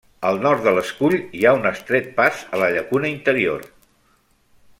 Al nord de l'escull hi ha un estret pas a la llacuna interior.